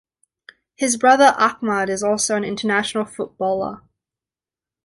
His brother Ahmad is also an international footballer.